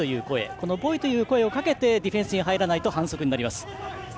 このボイという声をかけてディフェンスに入らないと反則です。